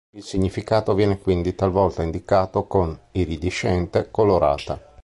Il significato viene quindi talvolta indicato con "iridescente", "colorata".